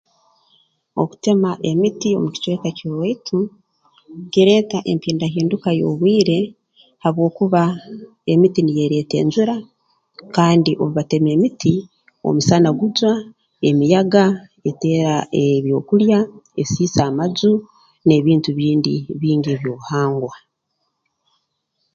Okutema emiti mu kicweka ky'owaitu kireeta empindahinduka y'obwire habwokuba emiti niyo ereeta enjura kandi obu batema emiti omusana gujwa emiyaga eteera ebyokulya esiisa amaju n'ebintu bindi bingi eby'obuhangwa